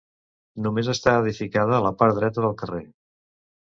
Només està edificada la part dreta del carrer.